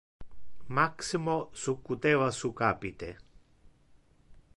Maximo succuteva su capite.